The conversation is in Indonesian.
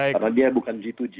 karena dia bukan g dua g ya